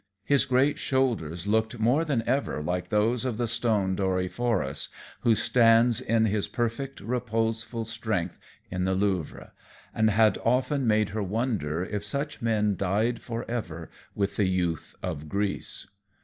His great shoulders looked more than ever like those of the stone Doryphorus, who stands in his perfect, reposeful strength in the Louvre, and had often made her wonder if such men died forever with the youth of Greece.